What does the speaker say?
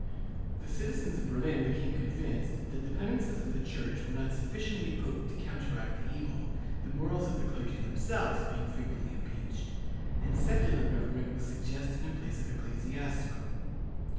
The citizens of Berlin became convinced that the penances of the Church were not sufficiently potent to counteract the evil, the morals of the clergy themselves being frequently impeached, and secular government was suggested in place of ecclesiastical.